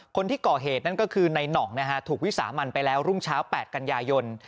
คนที่ก่อเหตุนั่นก็คือในหน่องนะฮะถูกวิสามันไปแล้วรุ่งเช้า๘กันยายน